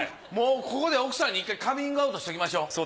もうここで奥さんに１回カミングアウトしときましょう。